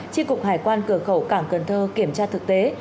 tri cục hải quan cửa khẩu cảng cần thơ kiểm tra thực tế